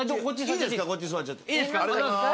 いいですか？